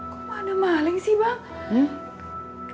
kok ada maling sih bang